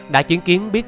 đã chứng kiến biết